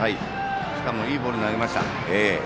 しかもいいボールを投げました。